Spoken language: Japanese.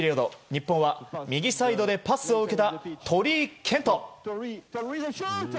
日本は右サイドでパスを受けた鳥居健人。